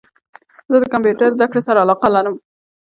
زه د کمپیوټرد زده کړي سره علاقه لرم